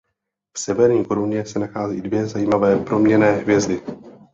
V Severní koruně se nachází dvě zajímavé proměnné hvězdy.